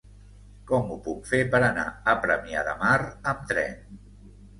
Com ho puc fer per anar a Premià de Mar amb tren?